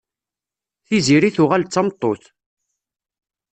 Tiziri tuɣal d tameṭṭut.